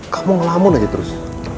kamu ngelamun aja terus